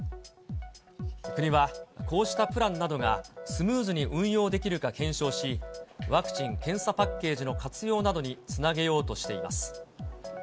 国は、こうしたプランなどがスムーズに運用できるか検証し、ワクチン・検査パッケージの活用などにつなげようとしています。